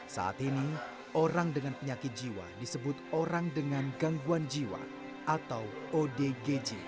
saat ini orang dengan penyakit jiwa disebut orang dengan gangguan jiwa atau odg